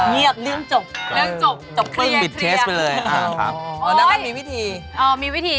เรื่องจบจบเครียงมีวิธี